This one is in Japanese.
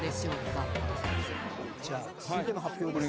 じゃあ続いての発表ですが。